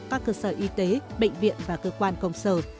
các cơ sở y tế bệnh viện và cơ quan công sở